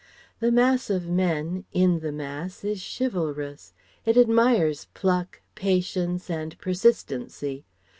The mass of men, in the mass, is chivalrous. It admires pluck, patience, and persistency.